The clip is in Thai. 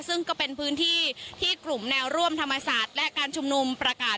ซึ่งก็เป็นพื้นที่ที่กลุ่มแนวร่วมธรรมศาสตร์และการชุมนุมประกาศ